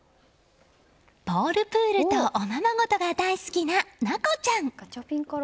ボールプールとおままごとが大好きな奈心ちゃん。